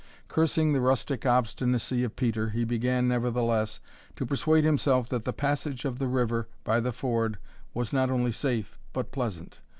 Cursing the rustic obstinacy of Peter, he began, nevertheless, to persuade himself that the passage of the river by the ford was not only safe, but pleasant.